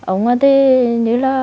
ở ngoài thì như là